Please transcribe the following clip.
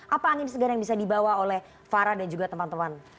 apa angin segar yang bisa dibawa oleh farah dan juga teman teman